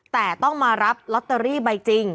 แต่ต้องมารับลอตเตอรี่ใบจริง